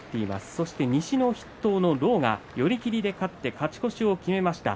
そして西の筆頭の狼雅寄り切りで勝って勝ち越しを決めました。